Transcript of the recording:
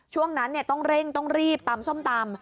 ช่วงนั้นต้องเร่งต้องรีบตำส้มตำ